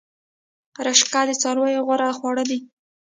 رشقه د څارویو غوره خواړه دي